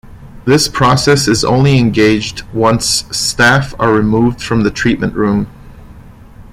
This process is only engaged once staff are removed from the treatment room.